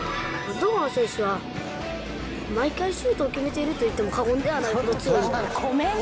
堂安選手は、毎回シュートを決めているといっても過言ではないほど強い。